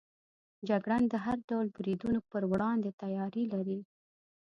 جګړن د هر ډول بریدونو پر وړاندې تیاری لري.